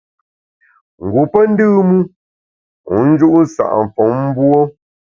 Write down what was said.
Ngu pe ndùm u, wu nju’ sa’ mfom mbuo.